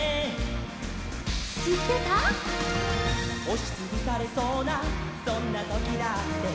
「おしつぶされそうなそんなときだって」